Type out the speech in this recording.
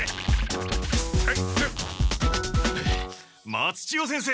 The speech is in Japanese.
松千代先生